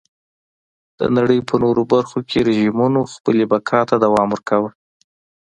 د نړۍ په نورو برخو کې رژیمونو خپلې بقا ته دوام ورکاوه.